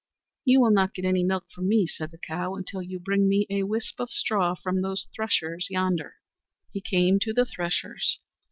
"You will not get any milk from me," said the cow, "until you bring me a whisp of straw from those threshers yonder." He came to the threshers.